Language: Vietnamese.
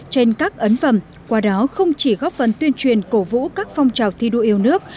trên các ấn phẩm qua đó không chỉ góp phần tuyên truyền cổ vũ các phong trào thi đua yêu nước